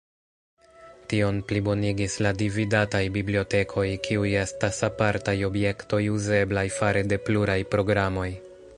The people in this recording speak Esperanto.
Tion plibonigis la "dividataj" bibliotekoj, kiuj estas apartaj objektoj uzeblaj fare de pluraj programoj.